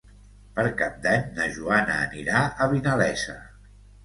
Per Cap d'Any na Joana anirà a Vinalesa.